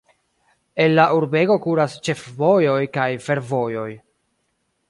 El la urbego kuras ĉefvojoj kaj fervojoj.